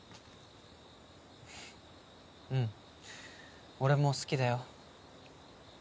うん俺も好きだよ